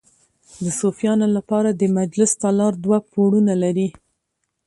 د صوفیانو لپاره د مجلس تالار دوه پوړونه لري.